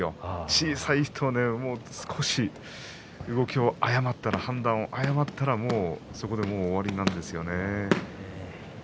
小さい人は、少し動きを判断を誤ったらそこで終わりなんですよね。